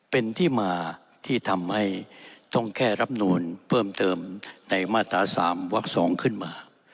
เป็นที่มาที่ทำให้ต้องแค่รับนวลเพิ่มเติมในมาตรา๓วัก๒ขึ้นมา